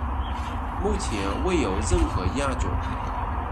目前未有任何亚种。